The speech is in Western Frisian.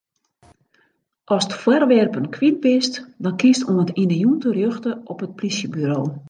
Ast foarwerpen kwyt bist, dan kinst oant yn 'e jûn terjochte op it plysjeburo.